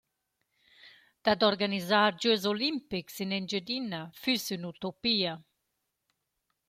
Dad organisar gös olimpics in Engiadina füss üna utopia.